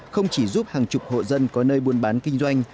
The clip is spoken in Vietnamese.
không chỉ giúp hàng chục hộ dân có nơi buôn bán kinh doanh